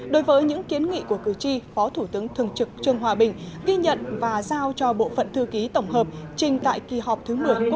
đối với những kiến nghị của cử tri phó thủ tướng thường trực trương hòa bình ghi nhận và giao cho bộ phận thư ký tổng hợp trình tại kỳ họp thứ một mươi quốc hội khóa một mươi bốn